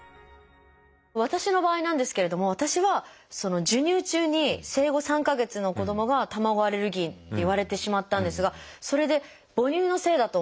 私の場合なんですけれども私は授乳中に生後３か月の子どもが卵アレルギーって言われてしまったんですがそれで母乳のせいだと思って。